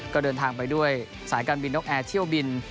ก็เดินทางไปด้วยสายการบินนกแอร์เที่ยวบิน